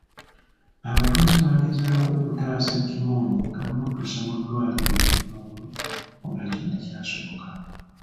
Abatuuze baagezaako okutaasa Gimmony nga bamuddusa mu ddwaliro e Kawolo wabula kino tekyasoboka.